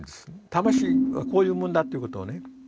魂はこういうもんだっていうことをね